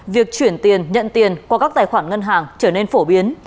việc chuyển tiền nhận tiền qua các tài khoản ngân hàng trở nên phổ biến